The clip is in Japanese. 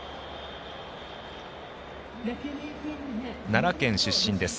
奈良県出身です。